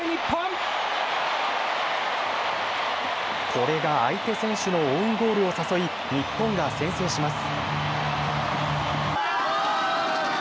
これが相手選手のオウンゴールを誘い、日本が先制します。